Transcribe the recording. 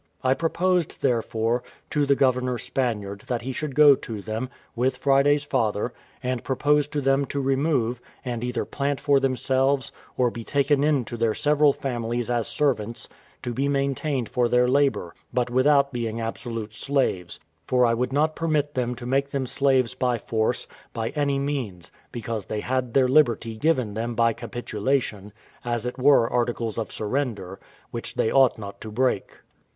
I proposed, therefore, to the governor Spaniard that he should go to them, with Friday's father, and propose to them to remove, and either plant for themselves, or be taken into their several families as servants to be maintained for their labour, but without being absolute slaves; for I would not permit them to make them slaves by force, by any means; because they had their liberty given them by capitulation, as it were articles of surrender, which they ought not to break.